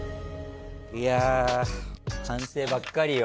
いやー、反省ばっかりよ